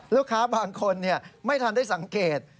ลูกค้าบางคนไม่ทันได้สังเกต